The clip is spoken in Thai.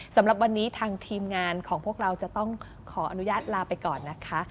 สำหรับวันนี้ทางทีมงานของพวกเราจะต้องขออนุญาตลาไปก่อนนะคะ